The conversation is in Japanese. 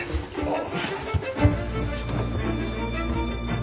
ああ。